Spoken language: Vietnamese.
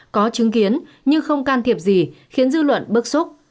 có chứng kiến nhưng không can thiệp gì khiến dư luận bức xúc